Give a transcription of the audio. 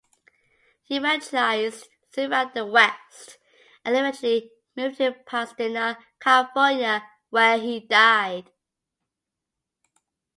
He "evangelized throughout the West and eventually moved to Pasadena, California, where he died".